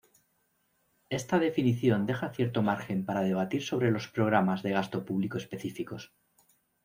Esta definición deja cierto margen para debatir sobre los programas de gasto público específicos.